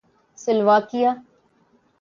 Slovakia